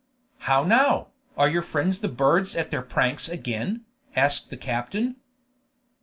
"How now? Are your friends the birds at their pranks again?" asked the captain.